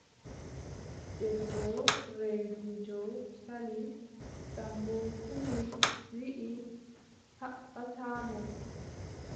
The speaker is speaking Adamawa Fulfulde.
Debbo reeduujo Sali, Sammbo huni wiʼi haɓɓataa mo.